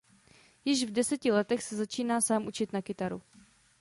Již v deseti letech se začíná sám učit na kytaru.